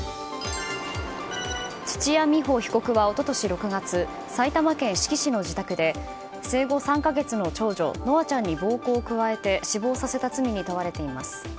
土屋美保被告は一昨年６月埼玉県志木市の自宅で生後３か月の長女夢空ちゃんに暴行を加えて死亡させた罪に問われています。